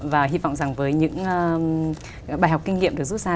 và hy vọng rằng với những bài học kinh nghiệm được rút ra